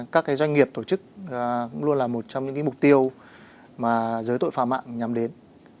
các doanh nghiệp tổ chức cũng luôn là một trong những mục tiêu mà giới tội phạm mạng nhắm đến